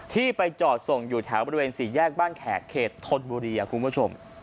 ที่ไปจอดส่งอยู่แถวบริเวณสี่แยกบ้านแขกเขตธนบุรีคุณผู้ชม